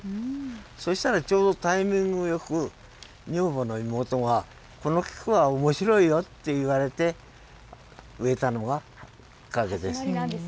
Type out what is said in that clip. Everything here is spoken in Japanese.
そしたらちょうどタイミングよく、女房の妹がこの菊はおもしろいよって言われて、植えたのがきっかけです。